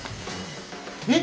えっ？